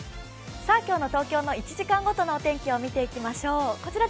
今日の東京の１時間ごとのお天気を見ていきましょう。